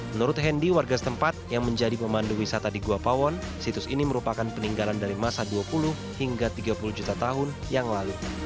menurut hendy warga setempat yang menjadi pemandu wisata di gua pawon situs ini merupakan peninggalan dari masa dua puluh hingga tiga puluh juta tahun yang lalu